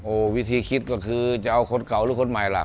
วิธีคิดก็คือจะเอาคนเก่าหรือคนใหม่ล่ะ